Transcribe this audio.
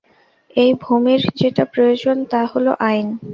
এই ভূমির যেটা প্রয়োজন তা হল আইন।